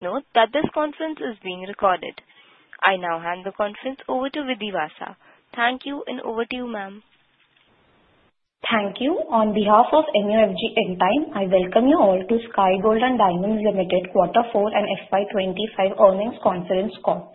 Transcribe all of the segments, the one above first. Note that this conference is being recorded. I now hand the conference over to Vidhi Vasa. Thank you, and over to you, ma'am. Thank you. On behalf of MUFG Intime, I welcome you all to Sky Gold and Diamonds Limited Q4 and FY 2025 earnings conference call.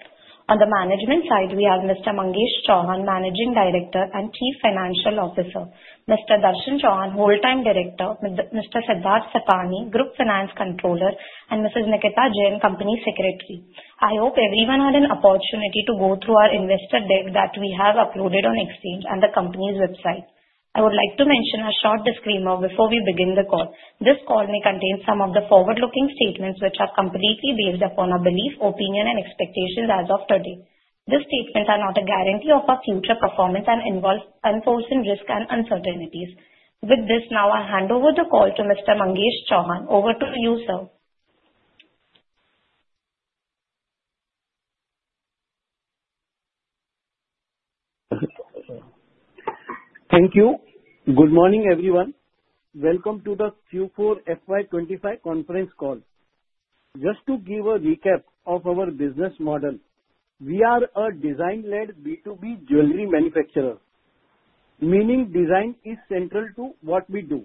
On the management side, we have Mr. Mangesh Chauhan, Managing Director and Chief Financial Officer, Mr. Darshan Chauhan, Whole Time Director, Mr. Siddharth Sipani, Group Finance Controller, and Mrs. Nikita Jain, Company Secretary. I hope everyone had an opportunity to go through our investor deck that we have uploaded on exchange and the company's website. I would like to mention a short disclaimer before we begin the call. This call may contain some of the forward-looking statements which are completely based upon our belief, opinion, and expectations as of today. These statements are not a guarantee of our future performance and involve unforeseen risks and uncertainties. With this, now I hand over the call to Mr. Mangesh Chauhan. Over to you, sir. Thank you. Good morning, everyone. Welcome to the Q4 FY 2025 conference call. Just to give a recap of our business model, we are a design-led B2B jewelry manufacturer, meaning design is central to what we do.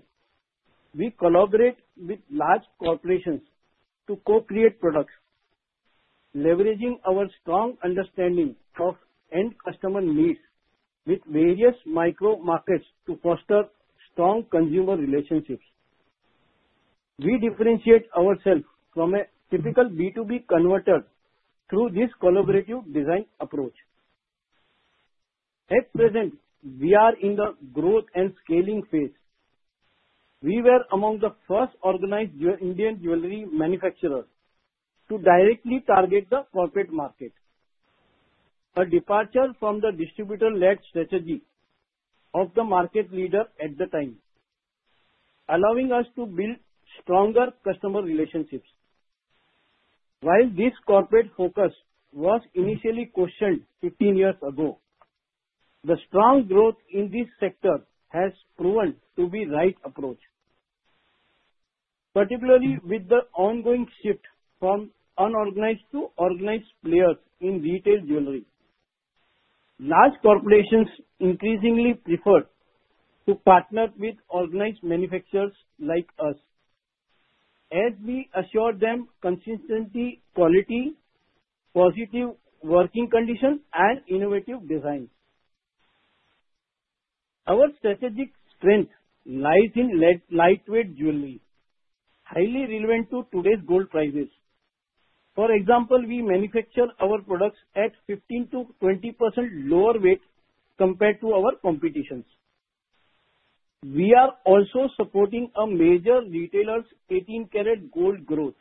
We collaborate with large corporations to co-create products, leveraging our strong understanding of end customer needs with various micro markets to foster strong consumer relationships. We differentiate ourselves from a typical B2B converter through this collaborative design approach. At present, we are in the growth and scaling phase. We were among the first organized Indian jewelry manufacturers to directly target the corporate market, a departure from the distributor-led strategy of the market leader at the time, allowing us to build stronger customer relationships. While this corporate focus was initially questioned 15 years ago, the strong growth in this sector has proven to be right approach, particularly with the ongoing shift from unorganized to organized players in retail jewelry. Large corporations increasingly prefer to partner with organized manufacturers like us, as we assure them consistency, quality, positive working conditions, and innovative designs. Our strategic strength lies in lead- lightweight jewelry, highly relevant to today's gold prices. For example, we manufacture our products at 15%-20% lower weight compared to our competitions. We are also supporting a major retailer's 18 karat gold growth.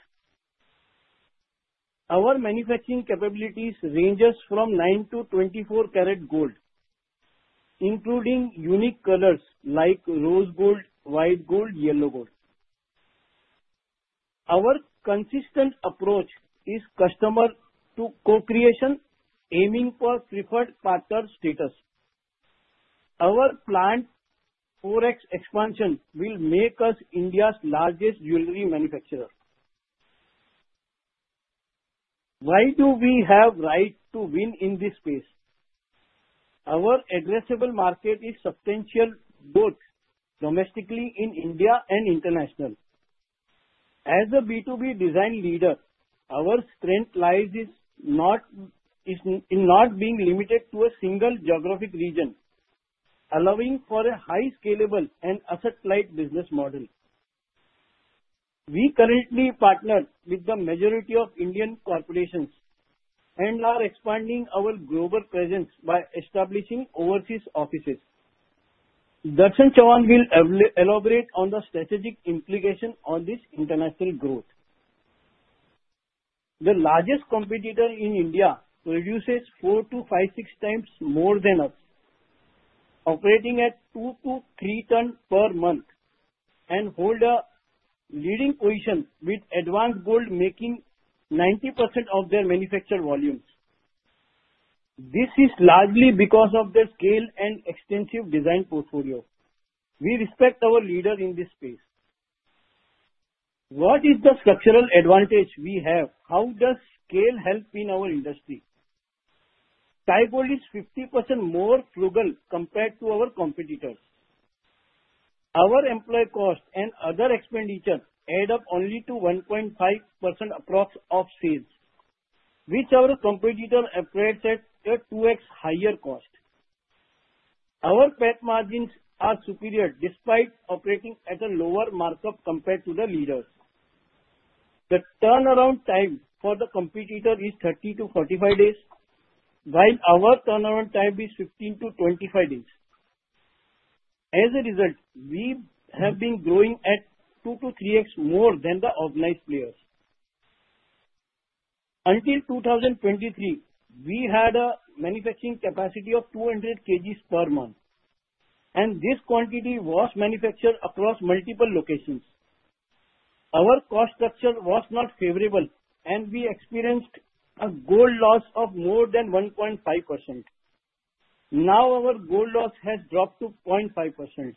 Our manufacturing capabilities ranges from 9-24 karat gold, including unique colors like rose gold, white gold, yellow gold. Our consistent approach is customer to co-creation, aiming for preferred partner status. Our plant 4x expansion will make us India's largest jewelry manufacturer. Why do we have right to win in this space? Our addressable market is substantial, both domestically in India and international. As a B2B design leader, our strength lies is in not being limited to a single geographic region, allowing for a high scalable and asset-light business model. We currently partner with the majority of Indian corporations and are expanding our global presence by establishing overseas offices. Darshan Chauhan will elaborate on the strategic implications on this international growth. The largest competitor in India produces 4 to 5, 6 times more than us, operating at 2 to 3 ton per month, and hold a leading position with advanced gold, making 90% of their manufactured volumes. This is largely because of their scale and extensive design portfolio. We respect our leader in this space. What is the structural advantage we have? How does scale help in our industry? Sky Gold is 50% more frugal compared to our competitors. Our employee costs and other expenditures add up only to 1.5% approx of sales, which our competitor operates at a 2x higher cost. Our profit margins are superior, despite operating at a lower markup compared to the leaders. The turnaround time for the competitor is 30-45 days, while our turnaround time is 15-25 days. As a result, we have been growing at 2x-3x more than the organized players. Until 2023, we had a manufacturing capacity of 200 kgs per month, and this quantity was manufactured across multiple locations. Our cost structure was not favorable, and we experienced a gold loss of more than 1.5%. Now our gold loss has dropped to 0.5%,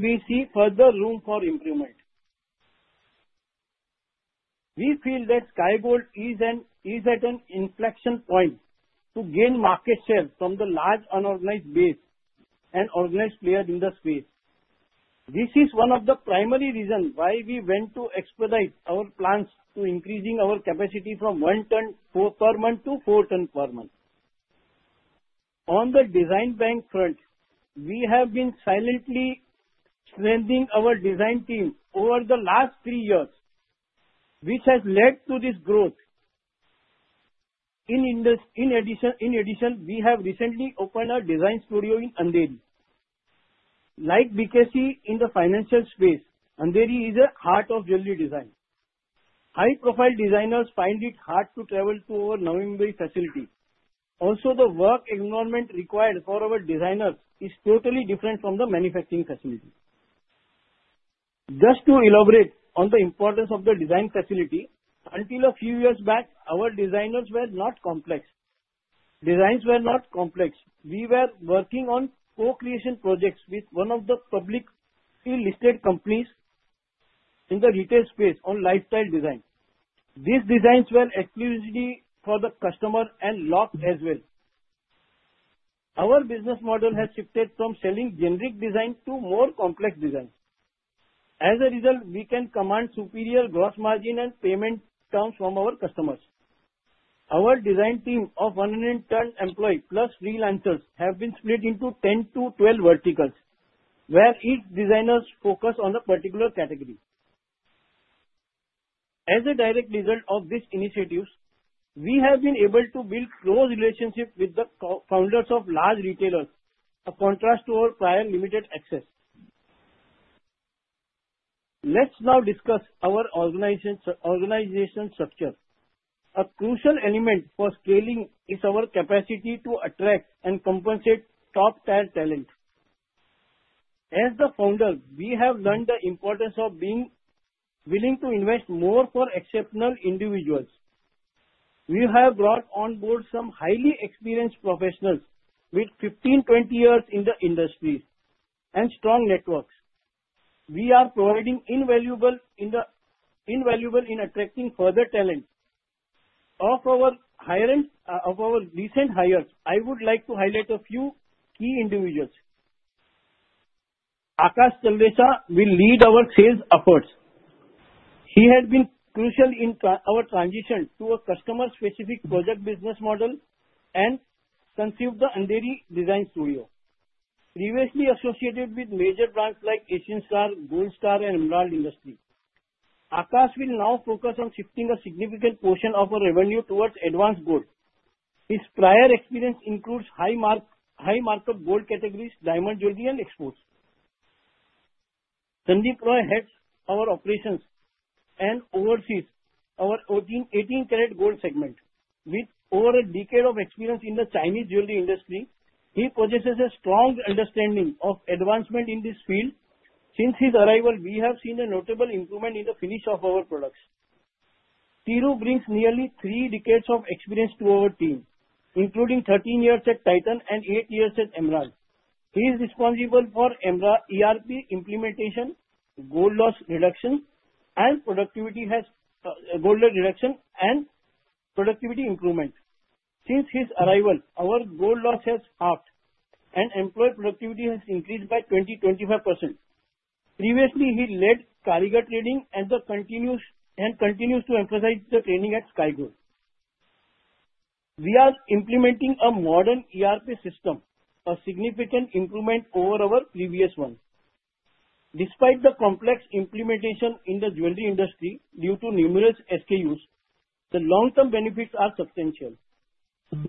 we see further room for improvement. We feel that Sky Gold is at an inflection point to gain market share from the large unorganized base and organized players in the space. This is one of the primary reasons why we went to expedite our plans to increasing our capacity from 1 ton per month to 4 tons per month. On the design bank front, we have been silently strengthening our design team over the last 3 years, which has led to this growth. In addition, we have recently opened our design studio in Andheri. Like BKC in the financial space, Andheri is the heart of jewelry design. High-profile designers find it hard to travel to our Navi Mumbai facility. Also, the work environment required for our designers is totally different from the manufacturing facility. Just to elaborate on the importance of the design facility, until a few years back, our designers were not complex. Designs were not complex. We were working on co-creation projects with one of the publicly listed companies in the retail space on lifestyle design. These designs were exclusively for the customer and locked as well. Our business model has shifted from selling generic designs to more complex designs. As a result, we can command superior gross margin and payment terms from our customers. Our design team of 110 employees, plus freelancers, have been split into 10-12 verticals, where each designers focus on a particular category. As a direct result of these initiatives, we have been able to build close relationships with the co-founders of large retailers, a contrast to our prior limited access. Let's now discuss our organization structure. A crucial element for scaling is our capacity to attract and compensate top-tier talent. As the founder, we have learned the importance of being willing to invest more for exceptional individuals. We have brought on board some highly experienced professionals with 15, 20 years in the industry and strong networks. We are providing invaluable in attracting further talent. Of our recent hires, I would like to highlight a few key individuals. Akash Talesara will lead our sales efforts. He has been crucial in our transition to a customer-specific project business model and conceived the Andheri design studio. Previously associated with major brands like Asian Star, Gold Star, and Emerald Jewel Industry. Akash will now focus on shifting a significant portion of our revenue towards advanced gold. His prior experience includes high markup gold categories, diamond jewelry, and exports. Sandeep Roy heads our operations and oversees our 14, 18 karat gold segment. With over a decade of experience in the Chinese jewelry industry, he possesses a strong understanding of advancement in this field. Since his arrival, we have seen a notable improvement in the finish of our products. Tiru brings nearly 3 decades of experience to our team, including 13 years at Titan and 8 years at Emerald. He is responsible for ERP implementation, gold loss reduction, and productivity improvement. Since his arrival, our gold loss has halved and employee productivity has increased by 20%-25%. Previously, he led Karigar training and continues to emphasize the training at Sky Gold. We are implementing a modern ERP system, a significant improvement over our previous one. Despite the complex implementation in the jewelry industry due to numerous SKUs, the long-term benefits are substantial.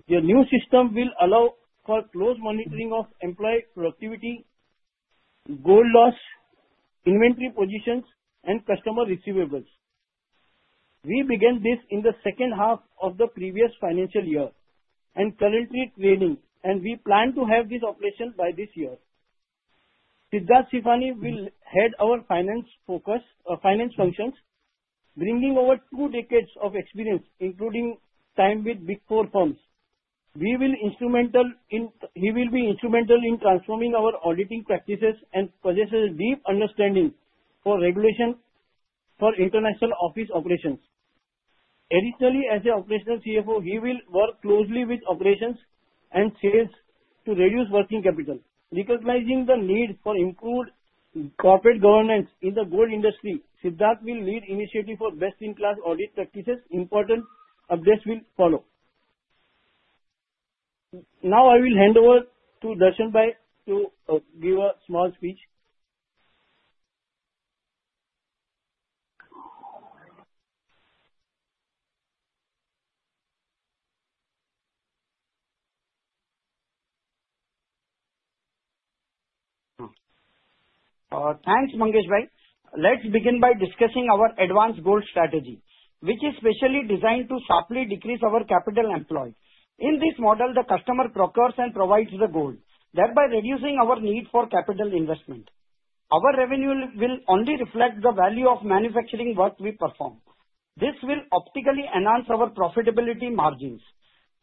The new system will allow for close monitoring of employee productivity, gold loss, inventory positions, and customer receivables. We began this in the second half of the previous financial year. We plan to have this operation by this year. Siddharth Sipani will head our finance functions, bringing over two decades of experience, including time with Big Four firms. He will be instrumental in transforming our auditing practices and possesses a deep understanding for regulation for international office operations. Additionally, as the operational CFO, he will work closely with operations and sales to reduce working capital. Recognizing the need for improved corporate governance in the gold industry, Siddharth will lead initiatives for best-in-class audit practices. Important updates will follow. Now I will hand over to Darshan bhai to give a small speech. Thanks, Mangesh bhai. Let's begin by discussing our advanced gold strategy, which is specially designed to sharply decrease our capital employed. In this model, the customer procures and provides the gold, thereby reducing our need for capital investment. Our revenue will only reflect the value of manufacturing work we perform. This will optically enhance our profitability margins.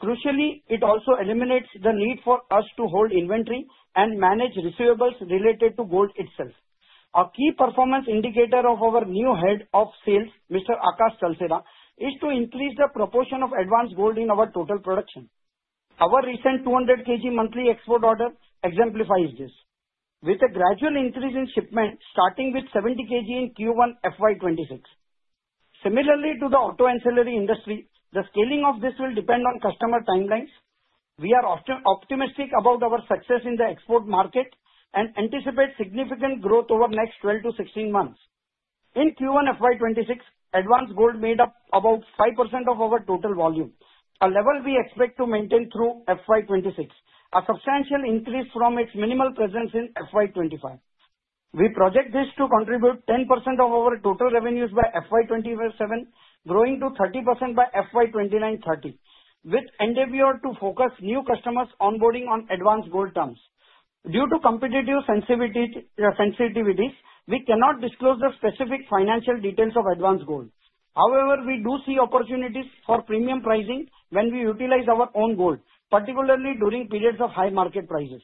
Crucially, it also eliminates the need for us to hold inventory and manage receivables related to gold itself. A key performance indicator of our new head of sales, Mr. Akash Talesara, is to increase the proportion of advanced gold in our total production. Our recent 200 kg monthly export order exemplifies this, with a gradual increase in shipment starting with 70 kg in Q1 FY 2026. Similarly to the auto ancillary industry, the scaling of this will depend on customer timelines. We are optimistic about our success in the export market and anticipate significant growth over the next 12-16 months. In Q1 FY 2026, advanced gold made up about 5% of our total volume, a level we expect to maintain through FY 2026, a substantial increase from its minimal presence in FY 2025. We project this to contribute 10% of our total revenues by FY 2027, growing to 30% by FY 2029-30, with endeavor to focus new customers onboarding on advanced gold terms. Due to competitive sensitivities, we cannot disclose the specific financial details of advanced gold. We do see opportunities for premium pricing when we utilize our own gold, particularly during periods of high market prices.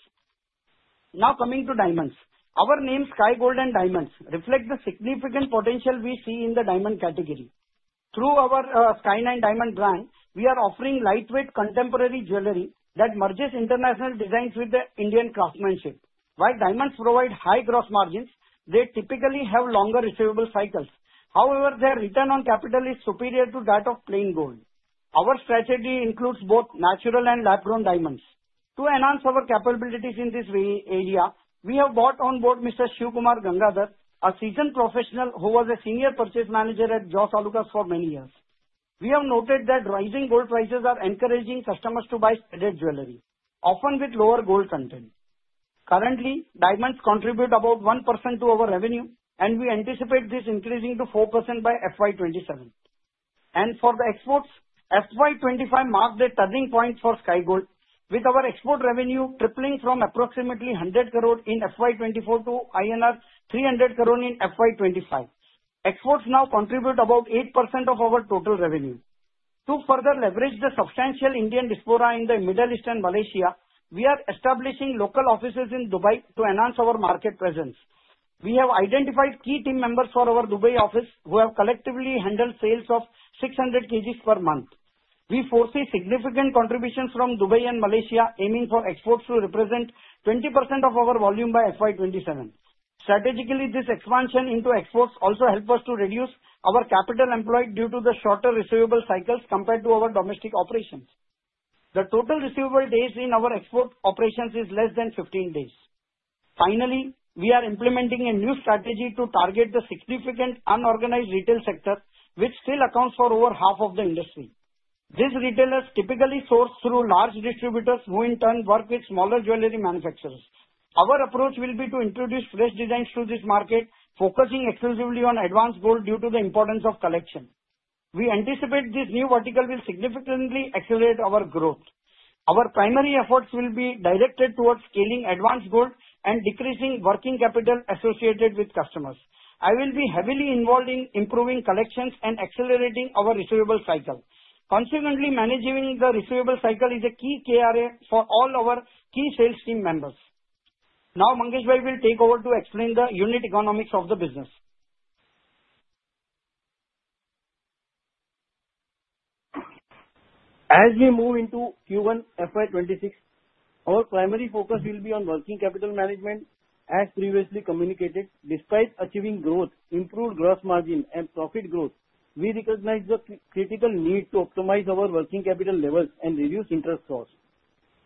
Coming to diamonds. Our name, Sky Gold and Diamonds, reflect the significant potential we see in the diamond category. Through our Sky9 diamond brand, we are offering lightweight, contemporary jewelry that merges international designs with the Indian craftsmanship. Diamonds provide high gross margins, they typically have longer receivable cycles. Their return on capital is superior to that of plain gold. Our strategy includes both natural and Lab-grown diamonds. To enhance our capabilities in this area, we have brought on board Mr. Shivakumar Gangadhar, a seasoned professional, who was a senior purchase manager at Jos Alukkas for many years. We have noted that rising gold prices are encouraging customers to buy studded jewelry, often with lower gold content. Currently, diamonds contribute about 1% to our revenue, we anticipate this increasing to 4% by FY 2027. For the exports, FY 2025 marked a turning point for Sky Gold, with our export revenue tripling from approximately 100 crore in FY 2024 to INR 300 crore in FY 2025. Exports now contribute about 8% of our total revenue. To further leverage the substantial Indian diaspora in the Middle East and Malaysia, we are establishing local offices in Dubai to enhance our market presence. We have identified key team members for our Dubai office, who have collectively handled sales of 600 kgs per month. We foresee significant contributions from Dubai and Malaysia, aiming for exports to represent 20% of our volume by FY 2027. Strategically, this expansion into exports also help us to reduce our capital employed due to the shorter receivable cycles compared to our domestic operations. The total receivable days in our export operations is less than 15 days. Finally, we are implementing a new strategy to target the significant unorganized retail sector, which still accounts for over half of the industry. These retailers typically source through large distributors, who in turn work with smaller jewelry manufacturers. Our approach will be to introduce fresh designs to this market, focusing exclusively on advanced gold due to the importance of collection. We anticipate this new vertical will significantly accelerate our growth. Our primary efforts will be directed towards scaling advanced gold and decreasing working capital associated with customers. I will be heavily involved in improving collections and accelerating our receivable cycle. Consequently, managing the receivable cycle is a key KRA for all our key sales team members. Now, Mangesh bhai will take over to explain the unit economics of the business. As we move into Q1 FY 2026, our primary focus will be on working capital management. As previously communicated, despite achieving growth, improved gross margin and profit growth, we recognize the critical need to optimize our working capital levels and reduce interest costs.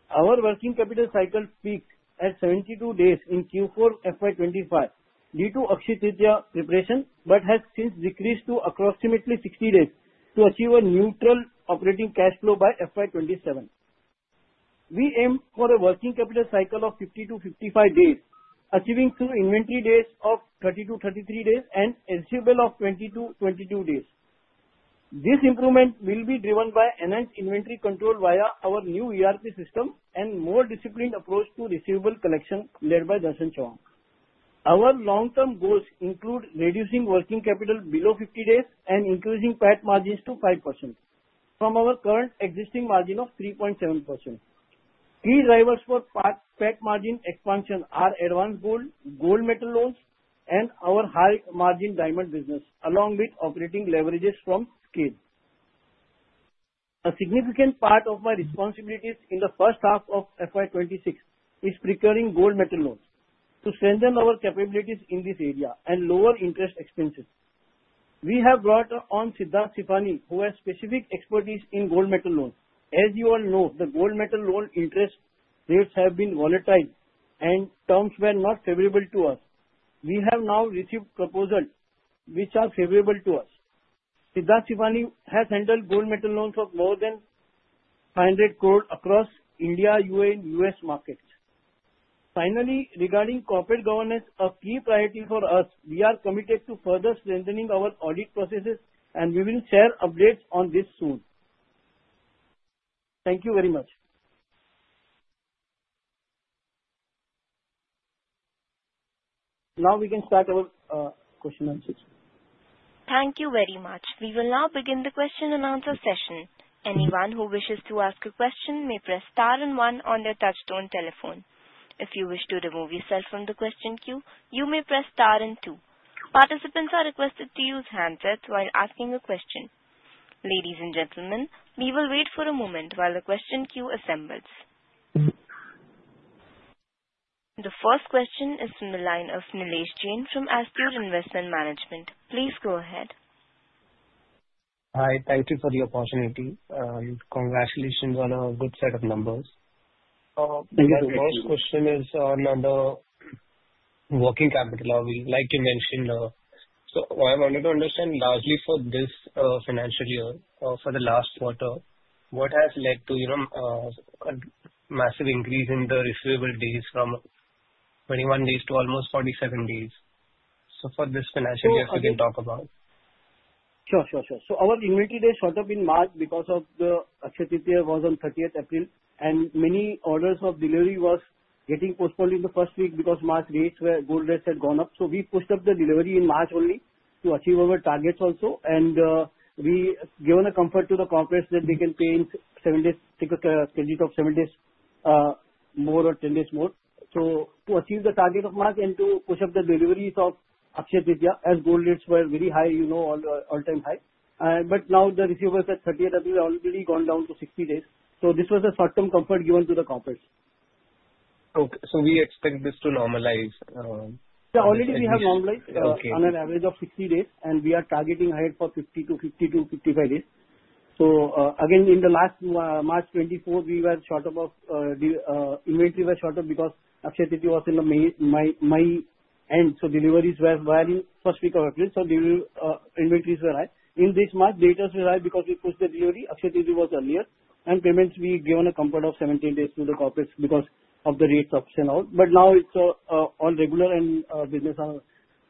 Our working capital cycle peaked at 72 days in Q4 FY 2025, due to Akshaya Tritiya preparation, but has since decreased to approximately 60 days to achieve a neutral operating cash flow by FY 2027. We aim for a working capital cycle of 50-55 days, achieving through inventory days of 30-33 days, and receivable of 20-22 days. This improvement will be driven by enhanced inventory control via our new ERP system and more disciplined approach to receivable collection led by Darshan Chauhan. Our long-term goals include reducing working capital below 50 days and increasing PAT margins to 5% from our current existing margin of 3.7%. Key drivers for PAT margin expansion are advanced gold metal loans, and our high-margin diamond business, along with operating leverages from scale. A significant part of my responsibilities in the first half of FY 2026 is procuring gold metal loans to strengthen our capabilities in this area and lower interest expenses. We have brought on Siddharth Sipani, who has specific expertise in gold metal loans. You all know, the gold metal loan interest rates have been volatile, and terms were not favorable to us. We have now received proposals which are favorable to us. Siddharth Sipani has handled gold metal loans of more than 100 crore across India, UAE, and U.S. markets. Finally, regarding corporate governance, a key priority for us, we are committed to further strengthening our audit processes. We will share updates on this soon. Thank you very much. Now we can start our question and answers. Thank you very much. We will now begin the question and answer session. Anyone who wishes to ask a question may press star and one on their touch-tone telephone. If you wish to remove yourself from the question queue, you may press star and two. Participants are requested to use handsets while asking a question. Ladies and gentlemen, we will wait for a moment while the question queue assembles. The first question is from the line of Nilesh Jain from Astute Investment Management. Please go ahead. Hi. Thank you for the opportunity, congratulations on a good set of numbers. Thank you very much. My first question is on the working capital. Like you mentioned, so what I wanted to understand largely for this financial year, for the last quarter, what has led to, you know, a massive increase in the receivable days from 21 days to almost 47 days? This financial year, if you can talk about. Sure, sure. Our inventory days shot up in March because of the Akshaya Tritiya was on 30th April, and many orders of delivery was getting postponed in the 1st week because gold rates had gone up. We pushed up the delivery in March only to achieve our targets also, and we given a comfort to the corporates that they can pay in 7 days, take a credit of 7 days more or 10 days more. To achieve the target of March and to push up the deliveries of Akshaya Tritiya, as gold rates were very high, you know, all the all-time high. Now the receivables at 30th April have already gone down to 60 days, this was a short-term comfort given to the corporates. Okay. We expect this to normalize. Yeah, already we have. Okay. On an average of 60 days, we are targeting ahead for 50-55 days. Again, in the last March 24th, we were short about the inventory were shorter because Akshaya Tritiya was in the May end, deliveries were varying first week of April, delivery inventories were right. In this March, data was right because we pushed the delivery, Akshaya Tritiya was earlier, payments we given a comfort of 17 days to the corporates because of the rates option out. Now it's on regular and business are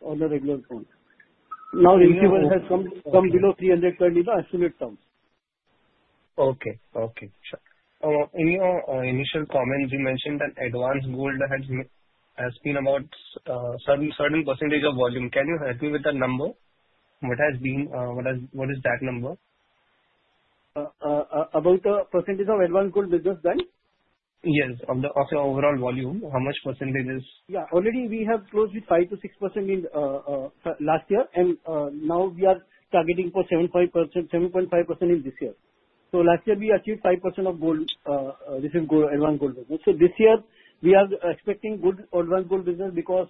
on the regular front. Now the receivable has come below 320 as per the terms. Okay. Okay, sure. In your initial comments, you mentioned that advanced gold has been about certain percentage of volume. Can you help me with that number? What has been, what is that number? About the percentage of advanced gold business done? Yes, of your overall volume, how much percentage is- Already we have closed with 5%-6% last year, now we are targeting for 7.5% this year. Last year we achieved 5% of this is advanced gold business. This year we are expecting good, advanced gold business because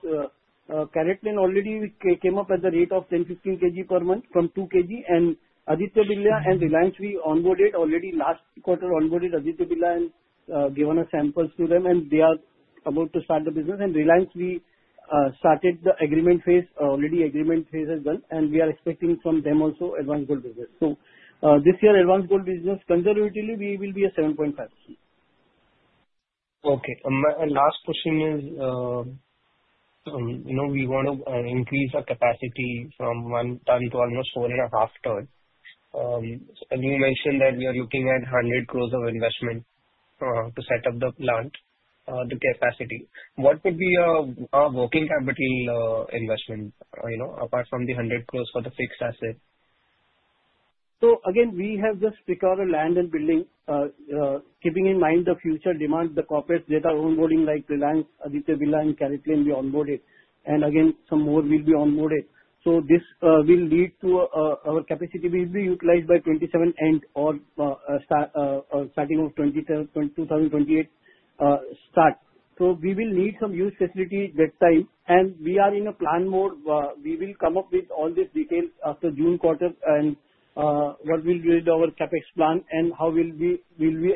CaratLane already came up at the rate of 10-15 kg per month from 2 kg. Aditya Birla and Reliance we onboarded, already last quarter onboarded Aditya Birla and given samples to them, and they are about to start the business. Reliance we started the agreement phase, already agreement phase as well, and we are expecting from them also advanced gold business. This year advanced gold business, conservatively, we will be at 7.5%. Okay. My last question is, we want to increase our capacity from 1 ton to almost 4.5 tons. You mentioned that we are looking at 100 crore of investment to set up the plant, the capacity. What could be our working capital investment apart from the 100 crore for the fixed asset? Again, we have just recovered land and building, keeping in mind the future demand, the corporates that are onboarding, like Reliance, Aditya Birla and CaratLane we onboarded, and again, some more will be onboarded. This will lead to our capacity will be utilized by 2027 end or starting of 2028. We will need some new facility that time, and we are in a plan mode. We will come up with all these details after June quarter and what will be our CapEx plan and how we'll be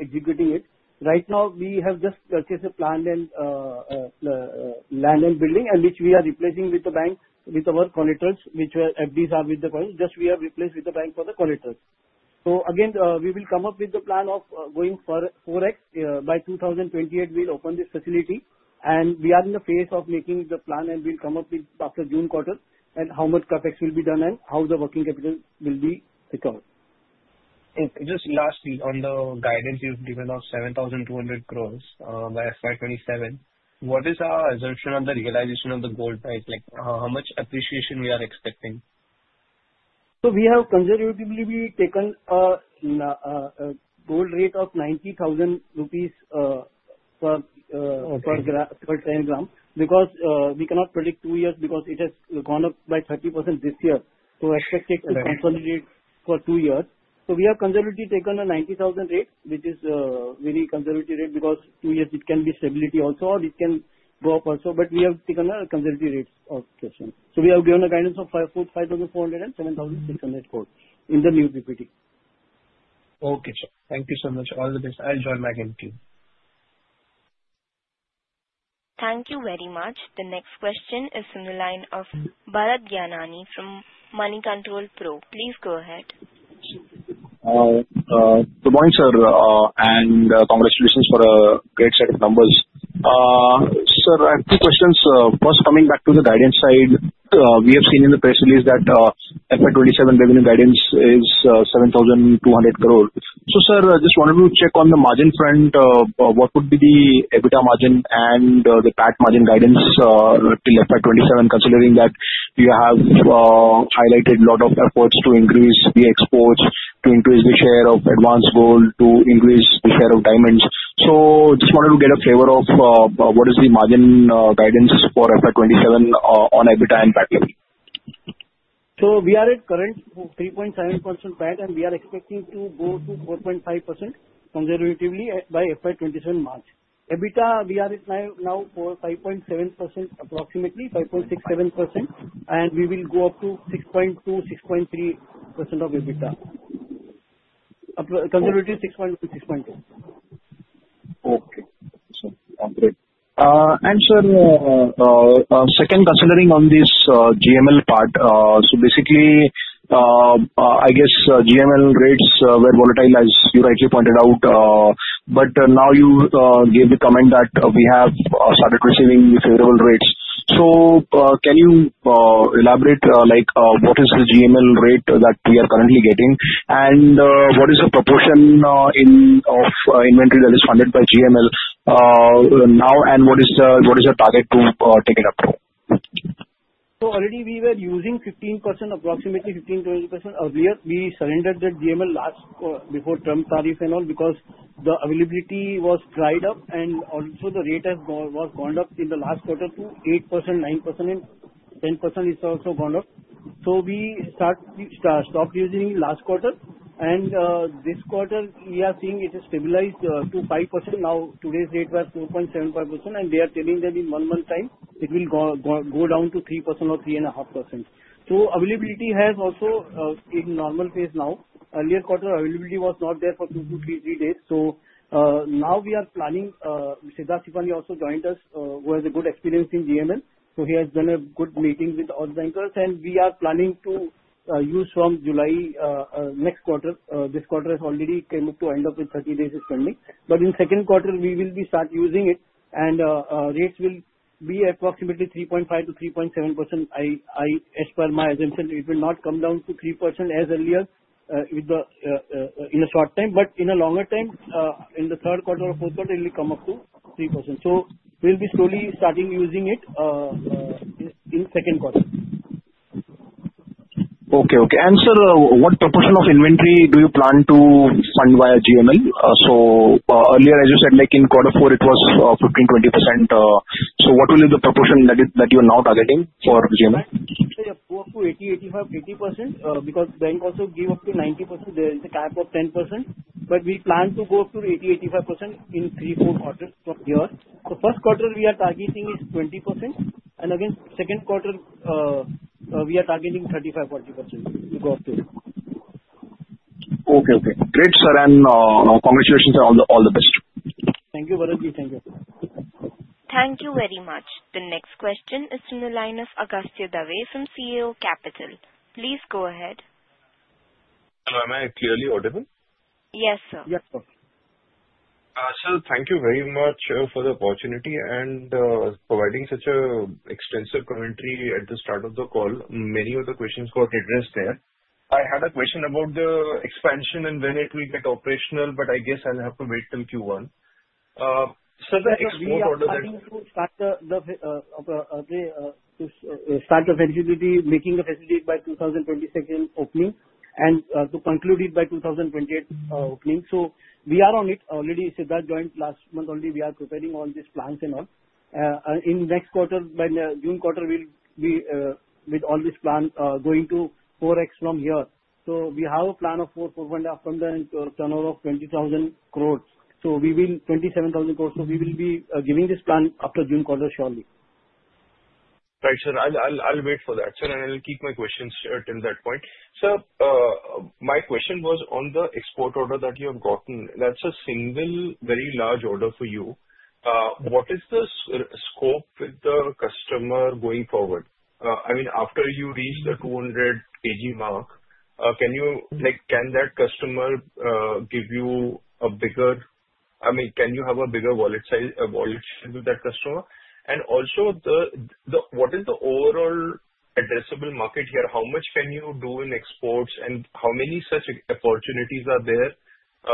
executing it. Right now we have just purchased a plan and land and building, and which we are replacing with the bank, with our collaterals, which were FDs are with the bank, just we have replaced with the bank for the collaterals. Again, we will come up with the plan of going for 4x. By 2028, we'll open this facility, and we are in the phase of making the plan, and we'll come up with after June quarter, and how much CapEx will be done and how the working capital will be recovered. Okay. Just lastly, on the guidance you've given of 7,200 crore, by FY 2027, what is our assumption of the realization of the gold price? Like, how much appreciation we are expecting? We have conservatively taken a gold rate of 90,000 rupees. Okay. -per gram, per 10 gram, because we cannot predict two years because it has gone up by 30% this year. Right. Expected to consolidate for 2 years. We have conservatively taken an 90,000 rate, which is a very conservative rate, because 2 years it can be stability also or it can go up also, but we have taken a conservative rate of caution. We have given a guidance of 5,400 crores and 7,600 crores in the new PPD. Okay, sure. Thank you so much. All the best. I'll join back in queue. Thank you very much. The next question is from the line of Bharat Gianani from Moneycontrol Pro. Please go ahead. Good morning, sir, and congratulations for a great set of numbers. Sir, I have two questions. First, coming back to the guidance side, we have seen in the press release that FY 2027 revenue guidance is 7,200 crore. Sir, I just wanted to check on the margin front, what would be the EBITDA margin and the PAT margin guidance till FY 2027, considering that you have highlighted a lot of efforts to increase the exports, to increase the share of advanced gold, to increase the share of diamonds. Just wanted to get a flavor of what is the margin guidance for FY 2027 on EBITDA and PAT level. We are at current 3.7% PAT, we are expecting to go to 4.5% conservatively by FY 2027 March. EBITDA, we are now for 5.7%, approximately 5.6%, 7%, we will go up to 6.2%, 6.3% of EBITDA. Approximately 6.2%. Okay. Great. Sir, second, considering on this GML part, basically, I guess, GML rates were volatile, as you rightly pointed out, but now you gave the comment that we have started receiving favorable rates. Can you elaborate, like, what is the GML rate that we are currently getting, and what is the proportion in of inventory that is funded by GML, now, and what is the target to take it up to? Already we were using 15%, approximately 15%-20%. Earlier, we surrendered that GML last, before term tariff and all, because the availability was dried up, and also the rate was gone up in the last quarter to 8%, 9%, and 10% is also gone up. We stopped using last quarter, and this quarter we are seeing it is stabilized to 5%. Now, today's rate was 2.75%, and they are telling that in 1 month time it will go down to 3% or 3.5%. Availability has also in normal phase now. Earlier quarter, availability was not there for 2-3 days. Now we are planning, Siddharth Sipani also joined us, who has a good experience in GML, so he has done a good meeting with all the bankers, and we are planning to use from July next quarter. This quarter is already came up to end of the 30 days is coming. In second quarter we will be start using it, and rates will be approximately 3.5%-3.7%. As per my assumption, it will not come down to 3% as earlier, with the in a short time, but in a longer time, in the third quarter or fourth quarter, it will come up to 3%. We'll be slowly starting using it in second quarter. Okay, okay. Sir, what proportion of inventory do you plan to fund via GML? Earlier, as you said, like in quarter four, it was 15%-20%. What will be the proportion that you are now targeting for GML? Go up to 80%, 85%, 80%, because bank also give up to 90%. There is a cap of 10%, but we plan to go up to 80%, 85% in three, four quarters from here. The first quarter we are targeting is 20%. Again, second quarter, we are targeting 35%, 40% to go up to. Okay. Great, sir, and congratulations, and all the best. Thank you, Bharat Ji. Thank you. Thank you very much. The next question is from the line of Agastya Dave, from CAO Capital. Please go ahead. Hello, am I clearly audible? Yes, sir. Yes, sir. Sir, thank you very much for the opportunity and providing such a extensive commentary at the start of the call. Many of the questions got addressed there. I had a question about the expansion and when it will get operational, but I guess I'll have to wait till Q1. Sir, the export order. We are planning to start the start of visibility, making a facility by 2022 opening, and to conclude it by 2028 opening. We are on it. Already Siddharth joined last month already, we are preparing all these plans and all. In next quarter, by the June quarter, we'll be with all this plan going to 4x from here. We have a plan of 4 and a half from the turnover of 20,000 crore. We will 27,000 crore, we will be giving this plan after June quarter, surely. Right, sir. I'll wait for that, sir, I will keep my questions till that point. Sir, my question was on the export order that you have gotten, that's a single very large order for you. What is the scope with the customer going forward? I mean, after you reach the 200 kg mark, can you, like, can that customer? I mean, can you have a bigger wallet size, wallet share with that customer? Also the, what is the overall addressable market here? How much can you do in exports, how many such opportunities are there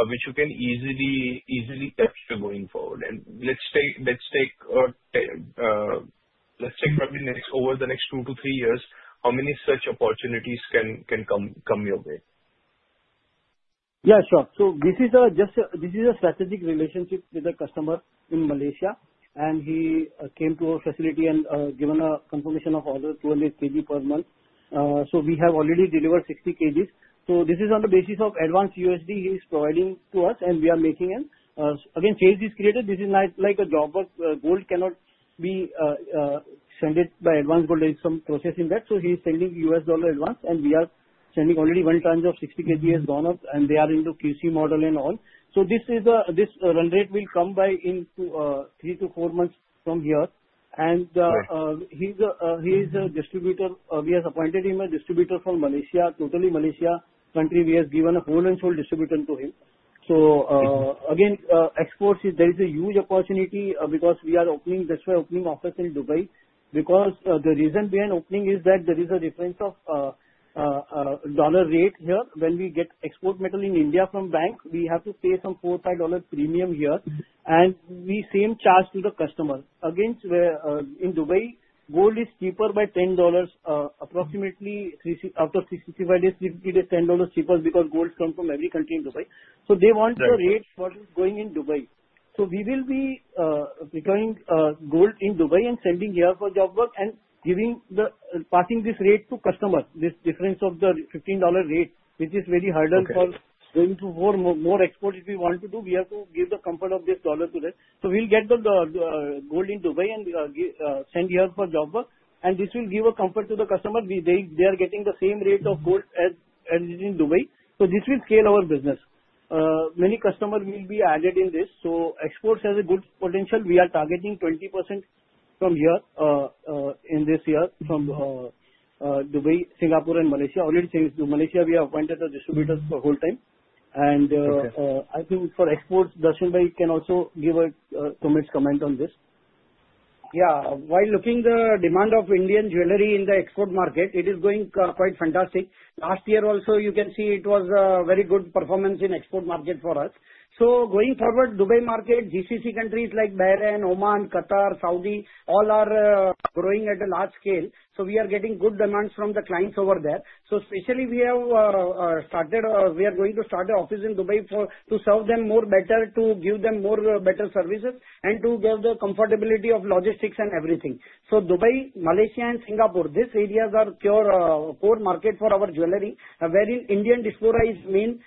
which you can easily capture going forward? Let's take probably over the next 2-3 years, how many such opportunities can come your way? Yeah, sure. This is a strategic relationship with a customer in Malaysia, and he came to our facility and given a confirmation of order, 200 kg per month. We have already delivered 60 kgs. This is on the basis of advance USD he is providing to us, and we are making it. Again, change is created. This is not like a job of gold cannot be send it by advance, but there is some process in that. He is sending US dollar advance, and we are sending already 1 times of 60 kg has gone up, and they are into QC model and all. This run rate will come by into 3-4 months from here. Right. He is a distributor. We have appointed him a distributor from Malaysia, totally Malaysia country. We have given a whole and sole distributor to him. Again, exports is there is a huge opportunity because we are opening, that's why opening office in Dubai. The reason we are opening is that there is a difference of dollar rate here. When we get export metal in India from bank, we have to pay some $4-$5 premium here, and we same charge to the customer. Against where in Dubai, gold is cheaper by $10, approximately after 350 days, $10 cheaper because gold come from every country in Dubai. Correct. They want the rate what is going in Dubai. We will be buying gold in Dubai and sending here for job work and passing this rate to customers, this difference of the $15 rate, which is very harder. Okay. for going to more export. If we want to do, we have to give the comfort of this dollar to them. We'll get the gold in Dubai and send here for job work, and this will give a comfort to the customer. They are getting the same rate of gold as in Dubai, so this will scale our business. Many customers will be added in this, so exports has a good potential. We are targeting 20% from here in this year. Mm-hmm. From Dubai, Singapore, and Malaysia. Already in Malaysia, we have appointed the distributors. Mm-hmm. for whole time. Okay. I think for exports, Darshan bhai can also give a comment on this. Yeah. While looking the demand of Indian jewelry in the export market, it is going quite fantastic. Last year also, you can see it was a very good performance in export market for us. Going forward, Dubai market, GCC countries like Bahrain, Oman, Qatar, Saudi, all are growing at a large scale, so we are getting good demands from the clients over there. Especially we have started, we are going to start an office in Dubai for, to serve them more better, to give them more better services, and to give the comfortability of logistics and everything. Dubai, Malaysia, and Singapore, these areas are pure core market for our jewelry, wherein Indian diaspora is main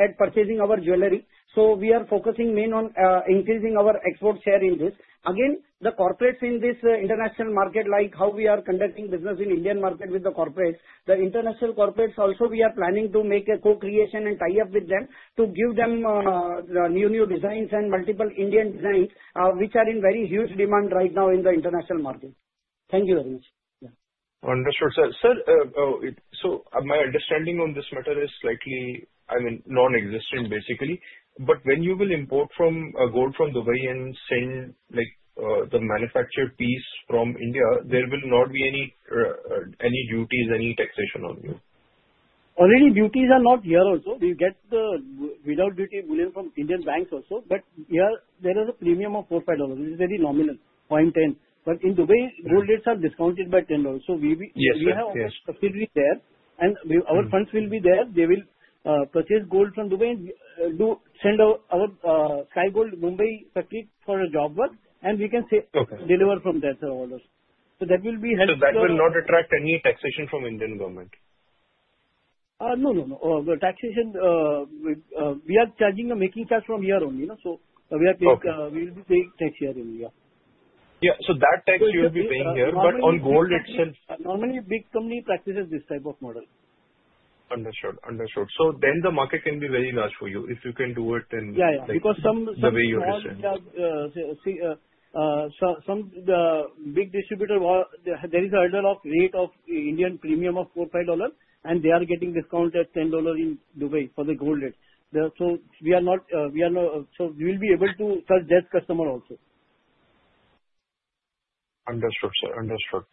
at purchasing our jewelry. We are focusing main on increasing our export share in this. The corporates in this international market, like how we are conducting business in Indian market with the corporates, the international corporates also, we are planning to make a co-creation and tie-up with them to give them the new designs and multiple Indian designs, which are in very huge demand right now in the international market. Thank you very much. Yeah. Understood, sir. Sir, so my understanding on this matter is slightly, I mean, non-existent, basically. When you will import from, gold from Dubai and send, like, the manufactured piece from India, there will not be any duties, any taxation on you? Already duties are not here also. We get without duty gold from Indian banks also, here there is a premium of 4, 5 dollars. This is very nominal, $0.10. In Dubai, gold rates are discounted by $10. Yes, sir. Yes. We have office facility there. Mm-hmm. Our funds will be there. They will purchase gold from Dubai and do send our Sky Gold Mumbai factory for a job work. Okay. deliver from there to all of us. That will be helpful. That will not attract any taxation from Indian government? No, no. The taxation, we are charging the making charge from here only, no? We are paying. Okay. We will be paying tax here in India. Yeah, that tax you will be paying here. Normally, big company. On gold itself. Normally, big company practices this type of model. Understood, understood. The market can be very large for you. If you can do it, then- Yeah, yeah. Like, the way you are saying. Some small, some, the big distributor, there is a hurdle of rate of Indian premium of 4-5 dollar. They are getting discount at 10 dollar in Dubai for the gold rates. We are not. We will be able to serve their customer also. Understood, sir. Understood.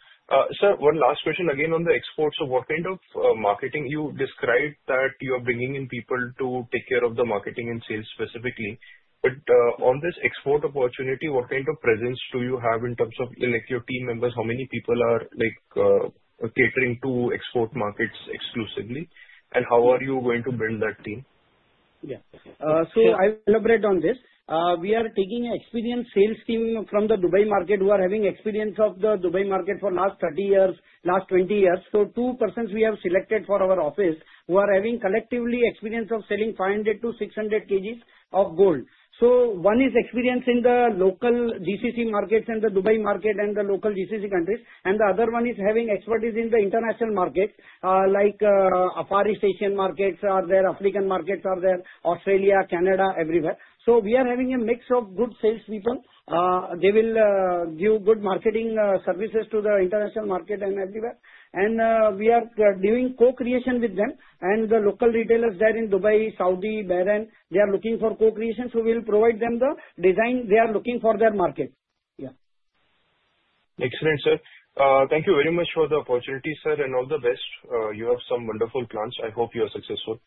Sir, one last question again on the exports. What kind of marketing you described that you are bringing in people to take care of the marketing and sales specifically, but on this export opportunity, what kind of presence do you have in terms of like your team members? How many people are, like, catering to export markets exclusively, and how are you going to build that team? Yeah. I will elaborate on this. We are taking experienced sales team from the Dubai market, who are having experience of the Dubai market for last 30 years, last 20 years. Two persons we have selected for our office, who are having collectively experience of selling 500 to 600 kg of gold. One is experience in the local GCC markets and the Dubai market and the local GCC countries, and the other one is having expertise in the international market, like Far East Asian markets are there, African markets are there, Australia, Canada, everywhere. We are having a mix of good salespeople. They will give good marketing services to the international market and everywhere. We are doing co-creation with them and the local retailers there in Dubai, Saudi, Bahrain, they are looking for co-creation, so we will provide them the design they are looking for their market. Yeah. Excellent, sir. Thank you very much for the opportunity, sir, and all the best. You have some wonderful plans. I hope you are successful.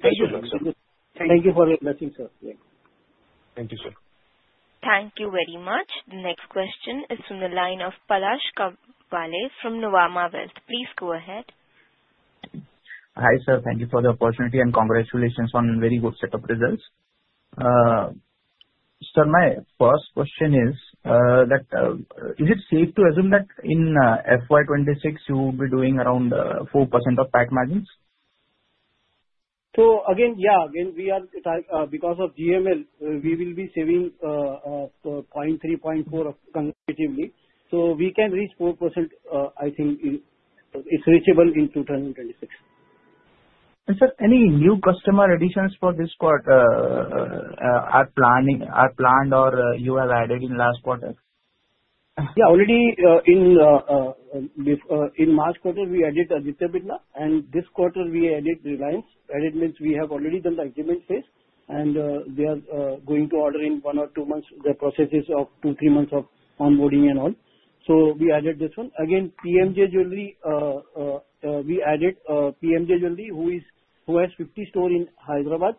Best of luck, sir. Thank you. Thank you for your blessing, sir. Yeah. Thank you, sir. Thank you very much. The next question is from the line of Palash Kawale from Nuvama Wealth. Please go ahead. Hi, sir. Thank you for the opportunity, and congratulations on very good set of results. My first question is that is it safe to assume that in FY 2026, you will be doing around 4% of PAT margins? Again, yeah, again, we are try because of GML, we will be saving so 0.3, 0.4 of competitively, so we can reach 4% I think in. It's reachable in 2026. Sir, any new customer additions for this quarter, are planned or you have added in last quarter? Yeah, already, in this in March quarter, we added Aditya Birla. This quarter we added Reliance. Added means we have already done the exhibit phase, they are going to order in 1 or 2 months. The process is of 2, 3 months of onboarding and all. We added this one. PMJ Jewels, we added PMJ Jewels, who has 50 store in Hyderabad,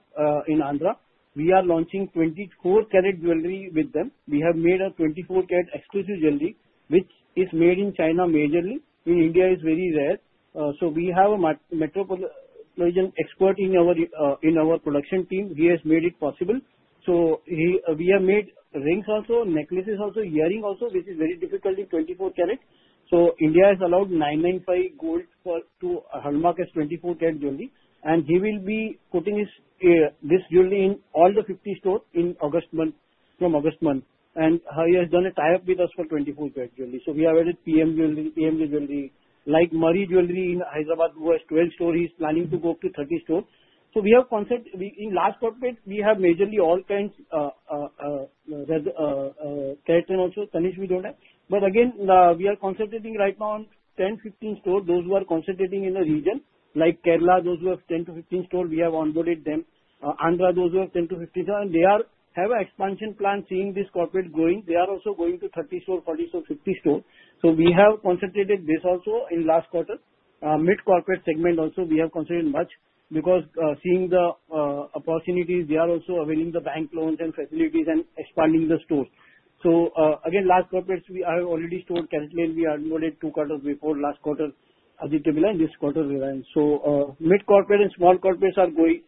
in Andhra. We are launching 24 carat jewelry with them. We have made a 24 carat exclusive jewelry, which is made in China majorly. In India, it's very rare. We have a metropolitan expert in our in our production team. He has made it possible. We have made rings also, necklaces also, earring also, which is very difficult in 24 carat. India has allowed 995 gold for to hallmark as 24 carat jewelry, and he will be putting his this jewelry in all the 50 stores in August month, from August month. He has done a tie-up with us for 24 carat jewelry. We have added PMJ Jewels, like Mari Jewelry in Hyderabad, who has 12 stores. He's planning to go up to 30 stores. We have concept, In last corporate, we have majorly all kinds carat and also Tanishq we don't have. Again, we are concentrating right now on 10-15 stores, those who are concentrating in a region, like Kerala, those who have 10-15 stores, we have onboarded them. Andhra, those who have 10-15 stores, and they have an expansion plan, seeing this corporate growing. They are also going to 30 store, 40 store, 50 store. We have concentrated this also in last quarter. Mid-corporate segment also, we have concentrated much because, seeing the opportunities, they are also availing the bank loans and facilities and expanding the stores. Again, large corporates, we have already stored carefully and we onboarded 2 quarters before last quarter, Aditya Birla, and this quarter, Reliance. Mid-corporate and small corporates are going,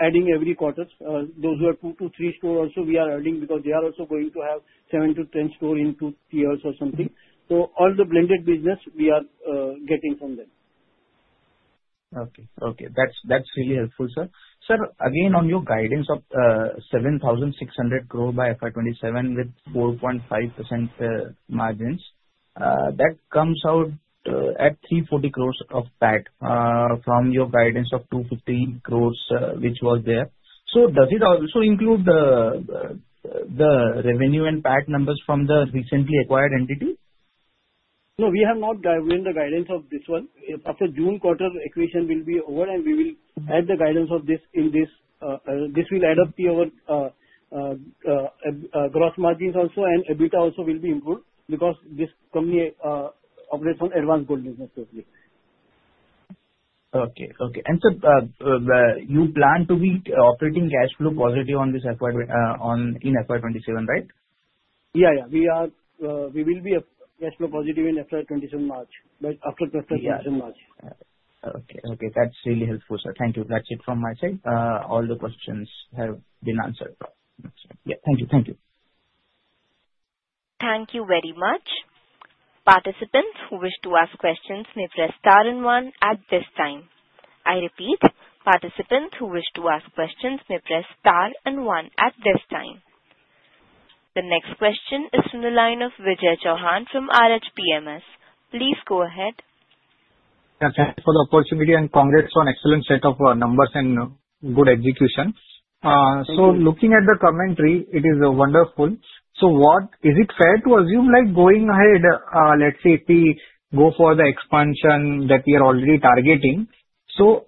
adding every quarters. Those who are 2 to 3 stores also, we are adding because they are also going to have 7 to 10 store in 2 years or something. All the blended business we are getting from them. Okay. Okay, that's really helpful, sir. Sir, again, on your guidance of INR 7,600 crore by FY 2027 with 4.5% margins, that comes out at 340 crore of PAT, from your guidance of 250 crore, which was there. Does it also include the revenue and PAT numbers from the recently acquired entities? No, we have not given the guidance of this one. After June quarter, acquisition will be over. We will add the guidance of this in this. This will add up to our gross margins also. EBITDA also will be improved, because this company operates on advanced gold business mostly. Okay. Okay. You plan to be operating cash flow positive on this acquired on in FY 2027, right? Yeah, yeah. We are, we will be a cash flow positive in FY 2027 March, but after the first year in March. Yeah. Okay. Okay, that's really helpful, sir. Thank you. That's it from my side. All the questions have been answered. Yeah. Thank you. Thank you. Thank you very much. Participants who wish to ask questions may press star and one at this time. I repeat, participants who wish to ask questions may press star and one at this time. The next question is from the line of Vijay Chauhan from RH PMS. Please go ahead. Yeah, thanks for the opportunity, and congrats on excellent set of numbers and good execution. Thank you. Looking at the commentary, it is wonderful. Is it fair to assume, like, going ahead, let's say if we go for the expansion that we are already targeting,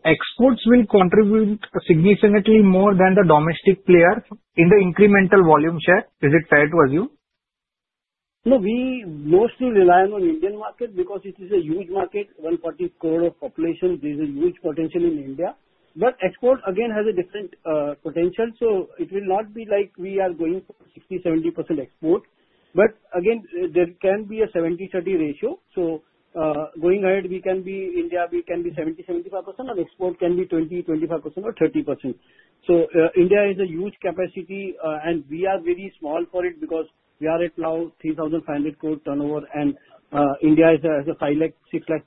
exports will contribute significantly more than the domestic player in the incremental volume share? Is it fair to assume? We mostly rely on Indian market because it is a huge market, 140 crore of population. There's a huge potential in India, but export again, has a different potential. It will not be like we are going for 60%-70% export, but again, there can be a 70-30 ratio. Going ahead, we can be India, we can be 70%-75%, and export can be 20%-25% or 30%. India is a huge capacity, and we are very small for it because we are at now 3,500 crore turnover, and India is a 500,000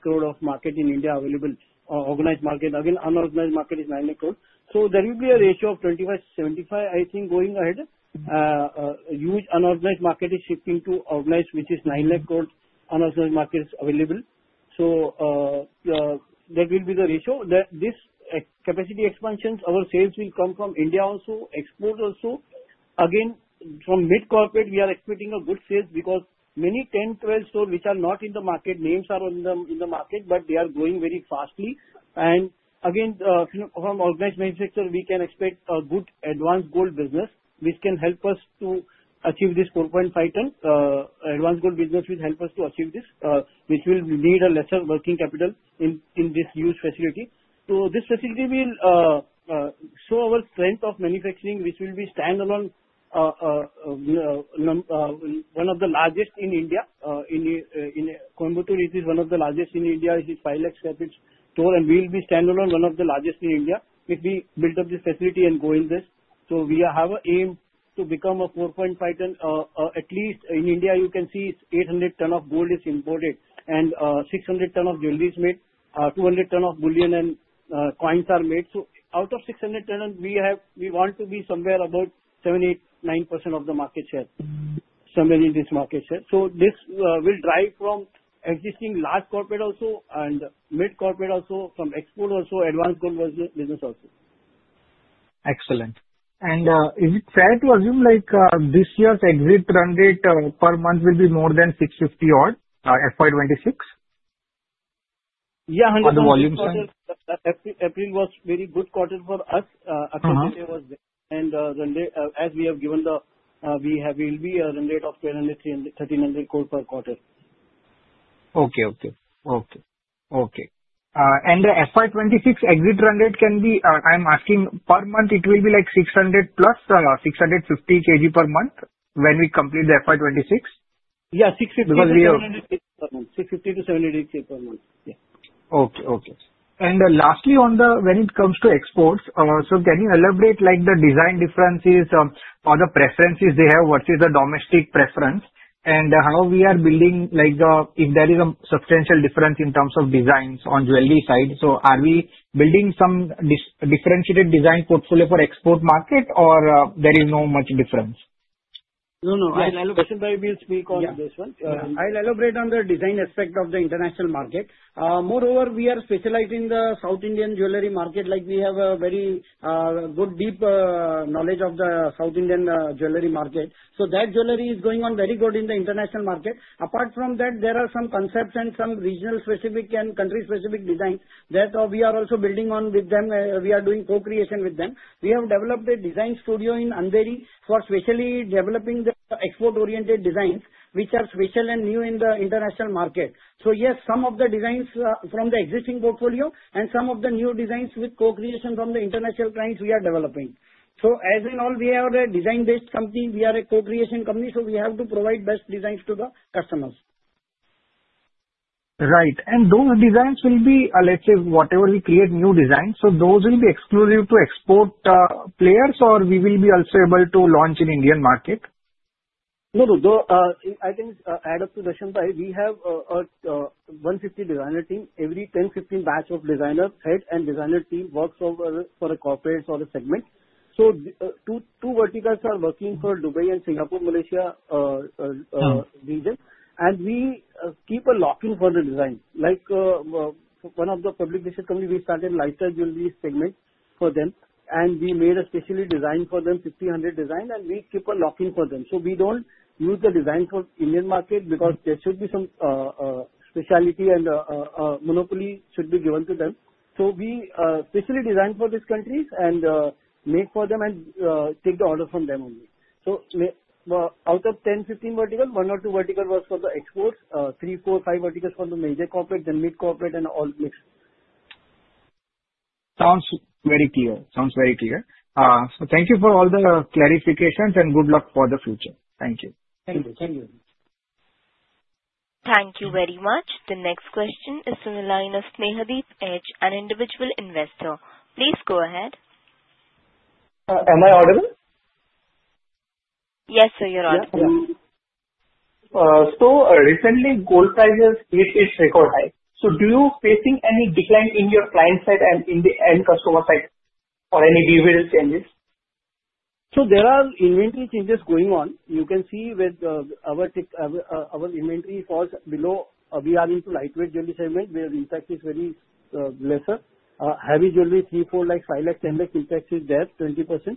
crore-600,000 crore of market in India, available organized market. Again, unorganized market is 900,000 crore. There will be a ratio of 25-75, I think, going ahead. huge unorganized market is shifting to organized, which is 9 lakh crore unorganized market is available. That will be the ratio. This capacity expansions, our sales will come from India also, exports also. Again, from mid-corporate, we are expecting a good sales because many 10, 12 stores which are not in the market, names are in the market, but they are growing very fastly. Again, from organized manufacturer, we can expect a good advanced gold business, which can help us to achieve this 4.5 tons. Advanced gold business will help us to achieve this, which will need a lesser working capital in this huge facility. This facility will show our strength of manufacturing, which will be standalone, one of the largest in India. In Coimbatore, it is one of the largest in India, is 5 lakh sq ft store. We will be standalone one of the largest in India, if we build up this facility and grow in this. We are, have an aim to become 4.5 tons. At least in India, you can see 800 tons of gold is imported and 600 tons of jewelry is made, 200 tons of bullion and coins are made. Out of 600 tons, we want to be somewhere about 7%, 8%, 9% of the market share. Mm-hmm. Somewhere in this market share. This will drive from existing large corporate also and mid corporate also, from export also, advanced gold business also. Excellent! Is it fair to assume like, this year's exit run rate per month will be more than 650 odd, FY 2026? Yeah, 100%. On the volume side. April was very good quarter for us. Uh-huh. Run rate, as we have given the, will be a run rate of 1,200, 300, 1,300 crore per quarter. Okay, okay. Okay, okay. The FY 2026 exit run rate can be, I'm asking per month, it will be like 600+ or 650 kg per month when we complete the FY 2026? Yeah, 650-700 kg per month. 650-700 kg per month, yeah. Okay, okay. Lastly, on the when it comes to exports, can you elaborate like the design differences or the preferences they have, versus the domestic preference, and how we are building? If there is a substantial difference in terms of designs on jewelry side, are we building some differentiated design portfolio for export market or there is no much difference? No, no, I'll elaborate. Darshan bhai, will speak on this one. Yeah. I'll elaborate on the design aspect of the international market. Moreover, we are specializing the South Indian jewelry market, like we have a very good, deep knowledge of the South Indian jewelry market. That jewelry is going on very good in the international market. Apart from that, there are some concepts and some regional specific and country specific design that we are also building on with them. We are doing co-creation with them. We have developed a design studio in Andheri for specially developing the export-oriented designs, which are special and new in the international market. Yes, some of the designs from the existing portfolio and some of the new designs with co-creation from the international clients we are developing. As in all, we are a design-based company, we are a co-creation company, so we have to provide best designs to the customers. Right. Those designs will be, let's say, whatever we create new designs, so those will be exclusive to export, players, or we will be also able to launch in Indian market? No, no, the, I think, add up to Darshan bhai, we have, a, 150 designer team. Every 10, 15 batch of designers, head and designer team works over for the corporates or the segment. Two verticals are working for Dubai and Singapore, Malaysia. Hmm -region. We keep a lock-in for the design. Like, one of the public listed company, we started lighter jewelry segment for them, and we made a specially design for them, 5,000 design, and we keep a lock-in for them. We don't use the design for Indian market because there should be some specialty and a monopoly should be given to them. We specially design for these countries and make for them and take the order from them only. Out of 10-15 vertical, one or two vertical works for the exports, three, four, five verticals for the major corporate, then mid-corporate and all mixed. Sounds very clear. Thank you for all the clarifications, and good luck for the future. Thank you. Thank you. Thank you. Thank you very much. The next question is from the line of Snehadeep Edge, an individual investor. Please go ahead. Am I audible? Yes, sir, you're audible. Recently, gold prices hit its record high. Do you facing any decline in your client side and in the end customer side, or any behavioral changes? There are inventory changes going on. You can see with our inventory falls below, we are into lightweight jewelry segment, where impact is very lesser. Heavy jewelry, 3 lakh, 5 lakh, 10 lakh, impact is there, 20%.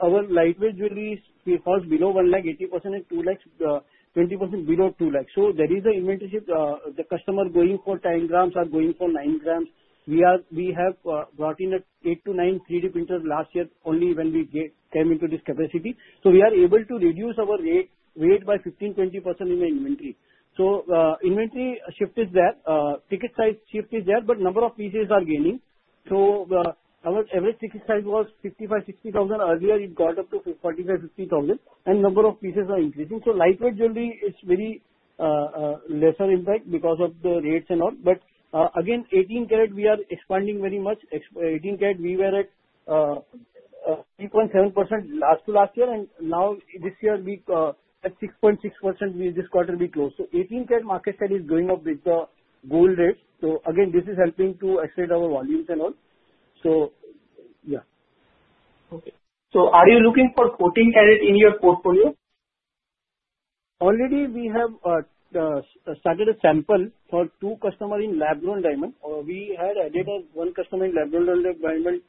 Our lightweight jewelry is, it falls below 1 lakh, 80%, and 2 lakhs, 20% below 2 lakhs. There is an inventory shift. The customer going for 10 grams are going for 9 grams. We have brought in 8 to 9 3D printers last year, only when we came into this capacity. We are able to reduce our rate, weight by 15%-20% in the inventory. Inventory shift is there, ticket size shift is there, but number of pieces are gaining. Our average ticket size was 55,000-60,000 earlier, it got up to 45,000-50,000, and number of pieces are increasing. Lightweight jewelry is very lesser impact because of the rates and all. Again, 18 karat we are expanding very much. 18 karat we were at 3.7% last to last year, and now this year we at 6.6%, we this quarter will be close. 18 karat market share is going up with the gold rates. Again, this is helping to accelerate our volumes and all. Yeah. Okay. Are you looking for 14 karat in your portfolio? Already we have started a sample for 2 customer in lab-grown diamond. We had added 1 customer in lab-grown diamond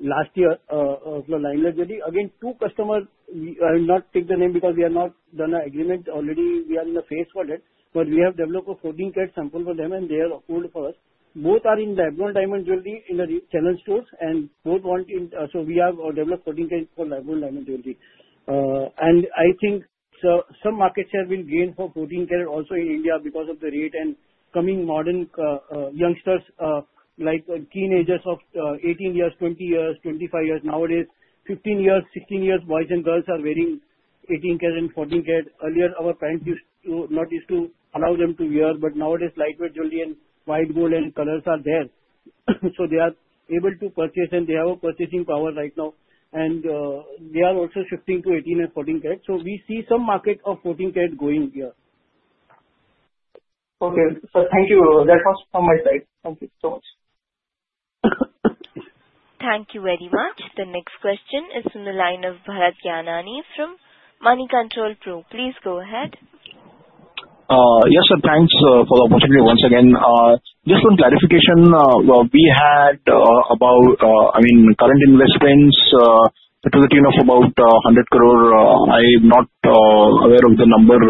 last year for the lighter jewelry. Again, 2 customers, I will not take the name because we have not done an agreement already. We are in the phase for that, but we have developed a 14 karat sample for them and they have approved for us. Both are in lab-grown diamond jewelry in the channel stores and both want in, so we have developed 14 karat for lab-grown diamond jewelry. And I think so some market share will gain for 14 karat also in India because of the rate and coming modern youngsters, like teenagers of 18 years, 20 years, 25 years. Nowadays, 15 years, 16 years, boys and girls are wearing 18 karat and 14 karat. Earlier, our parents Not used to allow them to wear, but nowadays, lightweight jewelry and white gold and colors are there. They are able to purchase, and they have a purchasing power right now. They are also shifting to 18 and 14 karat. We see some market of 14 karat going here. Okay. Thank you. That's all from my side. Thank you so much. Thank you very much. The next question is from the line of Bharat Gianani from Moneycontrol Pro. Please go ahead. Yes, sir, thanks for the opportunity once again. Just one clarification, we had about I mean, current investments to the tune of about 100 crore. I'm not aware of the number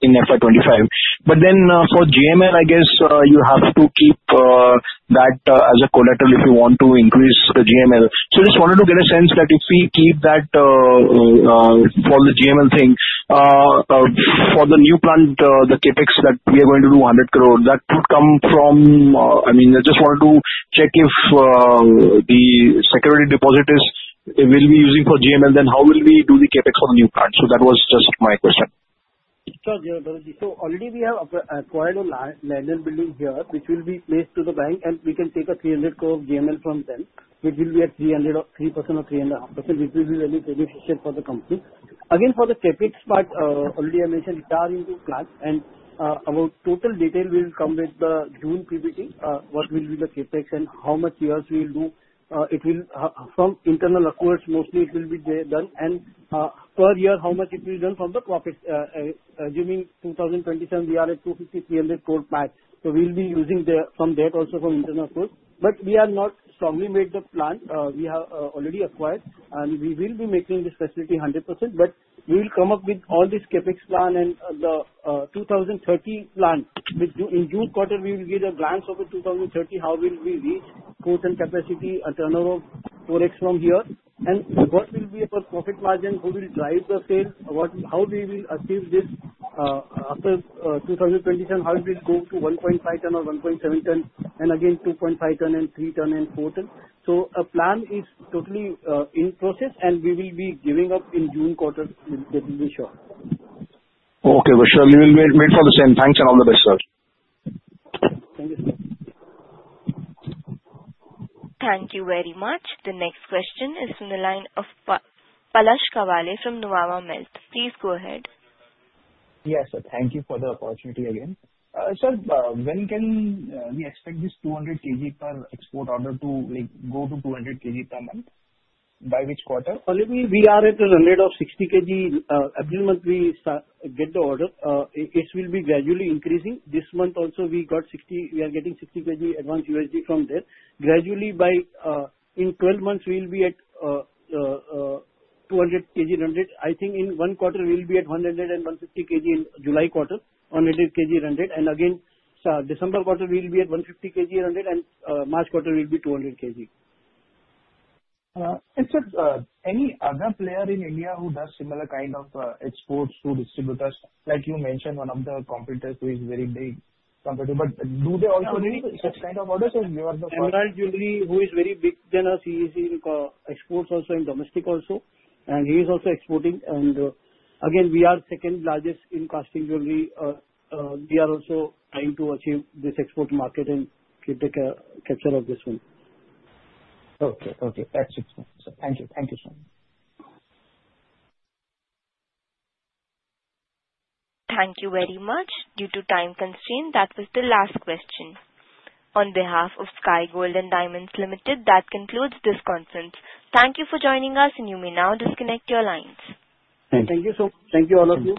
in FY 2025. For GML, I guess, you have to keep that as a collateral if you want to increase the GML. Just wanted to get a sense that if we keep that for the GML thing, for the new plant, the CapEx that we are going to do 100 crore, that would come from... I mean, I just wanted to check if the security deposit is, we'll be using for GML, then how will we do the CapEx for the new plant? That was just my question. Sure, already we have acquired a landed building here, which will be placed to the bank, and we can take a 300 crore GML from them, which will be at 3% or 3.5%, which will be very beneficial for the company. Again, for the CapEx part, already I mentioned it are into plan and about total detail will come with the June QBT, what will be the CapEx and how much years we will do. It will, from internal accruals, mostly it will be there done and per year, how much it will done from the profit. During 2027, we are at 250-300 crore PAT, we'll be using the, from that also from internal accrual. We are not strongly made the plan. We have already acquired, and we will be making this facility 100%, but we will come up with all this CapEx plan and the 2030 plan. In June quarter, we will give a glance of the 2030, how will we reach total capacity and turnover 4x from here? What will be the first profit margin, who will drive the sales, how we will achieve this after 2027, how we go to 1.5 ton or 1.7 ton, and again, 2.5 ton and 3 ton and 4 ton? A plan is totally in process, and we will be giving up in June quarter. That will be sure. Okay, for sure. We will wait for the same. Thanks and all the best, sir. Thank you, sir. Thank you very much. The next question is from the line of Palash Kawale from Nuvama Wealth. Please go ahead. Yes, sir. Thank you for the opportunity again. Sir, when can we expect this 200 kg per export order to, like, go to 200 kg per month? By which quarter? Currently, we are at a rate of 60 kg every month we get the order. It will be gradually increasing. This month also, we got 60, we are getting 60 kg advance USD from there. Gradually by in 12 months, we will be at 200 kg rendered. I think in 1 quarter we will be at 100 and 150 kg in July quarter, 100 kg rendered, and again, December quarter we will be at 150 kg rendered, and March quarter will be 200 kg. Sir, any other player in India who does similar kind of, exports to distributors, like you mentioned, one of the competitors who is very big competitor, but do they also need such kind of orders, or you are the first? Jewelry, who is very big than us, he is in exports also, in domestic also, and he is also exporting. Again, we are second largest in casting jewelry. We are also trying to achieve this export market and take a capture of this one. Okay. Okay, that's it, sir. Thank you. Thank you, sir. Thank you very much. Due to time constraint, that was the last question. On behalf of Sky Gold and Diamonds Limited, that concludes this conference. Thank you for joining us, and you may now disconnect your lines. Thank you. Thank you. Thank you, all of you.